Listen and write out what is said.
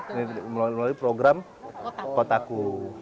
ini melalui program kotaku